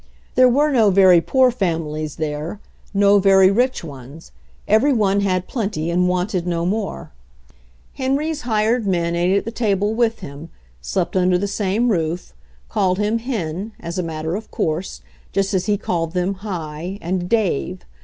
There were no very poor families there ; no very rich ones; every one had plenty, and wanted no more. SO HENRY FORD'S OWN STORY Henry's hired men ate at the table with him, slept under the same roof, called him "Hen" as a matter of course, just as he called them "Hi" and "Dave."